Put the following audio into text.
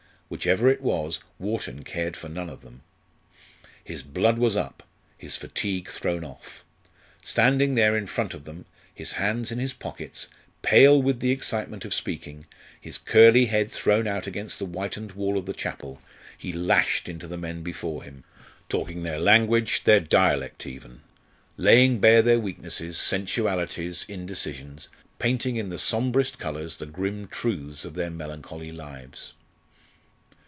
Whichever it was, Wharton cared for none of them. His blood was up; his fatigue thrown off. Standing there in front of them, his hands in his pockets, pale with the excitement of speaking, his curly head thrown out against the whitened wall of the chapel, he lashed into the men before him, talking their language, their dialect even; laying bare their weaknesses, sensualities, indecisions; painting in the sombrest colours the grim truths of their melancholy lives.